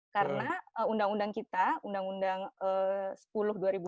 karena undang undang kita undang undang sepuluh dua ribu enam belas itu tidak bisa